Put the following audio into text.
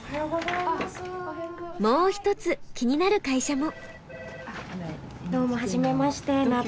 もう一つ気になる会社も。